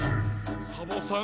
サボさん